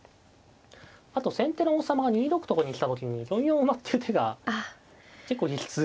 あと先手の王様が２六とかに来た時に４四馬っていう手が結構激痛なんですよね。